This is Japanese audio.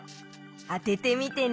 あててみてね。